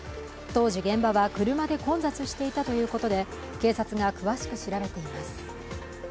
当時現場は車で混雑していたということで警察が詳しく調べています。